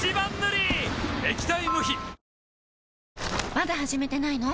まだ始めてないの？